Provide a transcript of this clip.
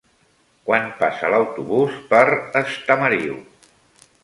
Quan passa l'autobús per Estamariu?